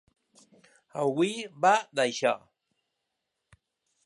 Avui va d’això .